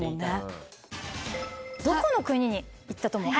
どこの国に行ったと思う？